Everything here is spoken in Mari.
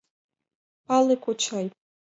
Пале, кочай.